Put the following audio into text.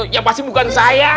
ya pasti bukan saya